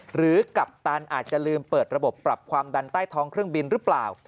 กัปตันอาจจะลืมเปิดระบบปรับความดันใต้ท้องเครื่องบินหรือเปล่า